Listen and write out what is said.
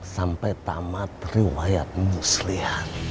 sampai tamat riwayatmu selihat